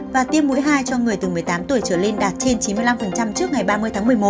và tiêm mũi hai cho người từ một mươi tám tuổi trở lên đạt trên chín mươi năm trước ngày ba mươi tháng một mươi một